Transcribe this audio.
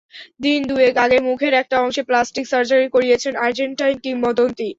দিন দুয়েক আগে মুখের একটা অংশে প্লাস্টিক সার্জারি করিয়েছেন আর্জেন্টাইন কিংবদন্তি।